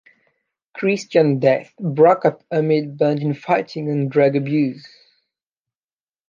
Christian Death broke up amid band infighting and drug abuse.